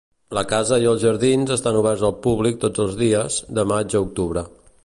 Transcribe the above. La casa i els jardins estan oberts al públic tots els dies, de maig a octubre.